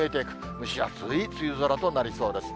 蒸し暑い梅雨空となりそうです。